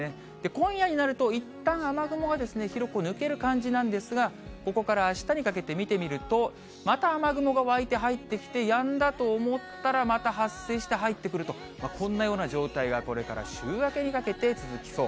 今夜になると、いったん雨雲は広く抜ける感じなんですが、ここからあしたにかけて見てみると、また雨雲が湧いて入ってきて、やんだと思ったら、また発生して入ってくると、こんなような状態が、これから週明けにかけて続きそう。